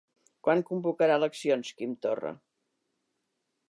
Quan convocarà eleccions Quim Torra?